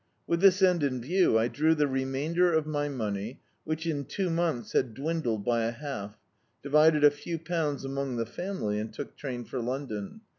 With this end in view, I drew the remainder of my money, which in two months had dwindled by a half, divided a few pounds among the family, and took train for London.